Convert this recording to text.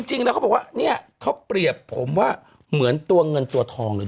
จริงแล้วเขาบอกว่าเนี่ยเขาเปรียบผมว่าเหมือนตัวเงินตัวทองเลย